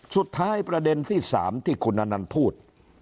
สุดท้ายประเด็นที่สามที่คุณอนันท์พูด